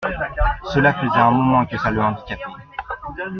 Cela faisait un moment que ça le handicapait.